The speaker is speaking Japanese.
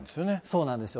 そうなんですよ。